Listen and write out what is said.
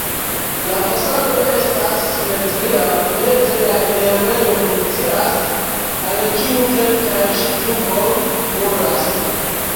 La fasado estas simetria, meze la enirejo funkcias, al kiu kelkaj ŝtupoj kuras.